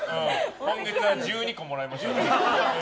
今月は１２個もらいました。